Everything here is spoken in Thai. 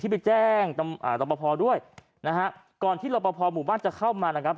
ไปแจ้งตรปภด้วยนะฮะก่อนที่รอปภหมู่บ้านจะเข้ามานะครับ